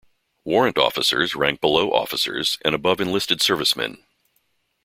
Warrant officers rank below officers and above enlisted servicemen.